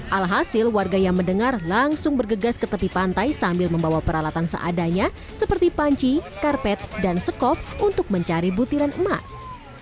alhasil warga yang mendengar langsung bergegas ke tepi pantai sambil membawa peralatan seadanya seperti panci karpet dan sekop untuk mencari butiran emas